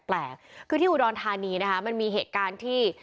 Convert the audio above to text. คือที่อุดรธานีมันมีเหตุการณ์ที่